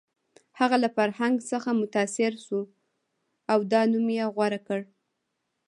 هغه له فرهنګ څخه متاثر شو او دا نوم یې غوره کړ